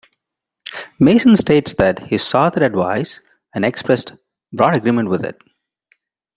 Mason states that he saw that advice and expressed broad agreement with it.